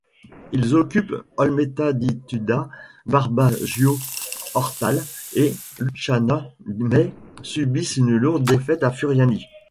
Ils occupent Olmeta-di-Tuda, Barbaggio, Ortale, et Lucciana, mais subissent une lourde défaite à Furiani.